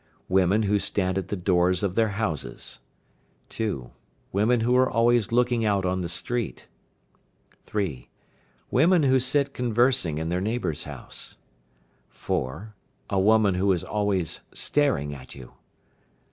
Women who stand at the doors of their houses. 2. Women who are always looking out on the street. 3. Women who sit conversing in their neighbour's house. 4. A woman who is always staring at you.